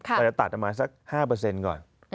เราจะตัดออกมา๕ก่อน